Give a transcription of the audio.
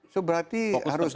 so berarti harus di